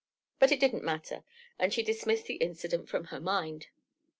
But it didn't matter, and she dismissed the incident from her mind.